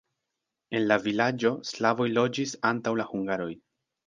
En la vilaĝo slavoj loĝis antaŭ la hungaroj.